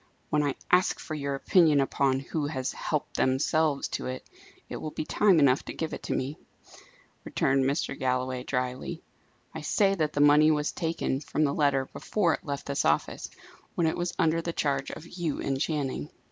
"When I ask for your opinion upon 'who has helped themselves to it,' it will be time enough to give it me," returned Mr. Galloway, drily. "I say that the money was taken from the letter before it left this office, when it was under the charge of you and Channing."